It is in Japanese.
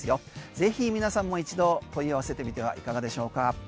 ぜひ皆さんも一度問い合わせてみてはいかがでしょうか？